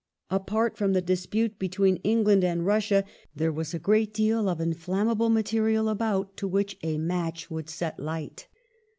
Apart from the dispute between England and Russia there was a gi'eat deal of inflammable material about, to which a match would set light.